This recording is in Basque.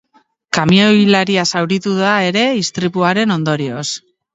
Kamioilaria zauritu da ere istripuaren ondorioz.